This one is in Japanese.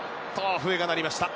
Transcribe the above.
笛が鳴りました。